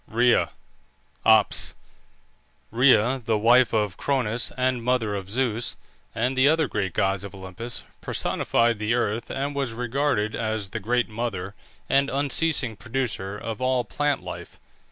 RHEA (OPS). Rhea, the wife of Cronus, and mother of Zeus and the other great gods of Olympus, personified the earth, and was regarded as the Great Mother and unceasing producer of all plant life.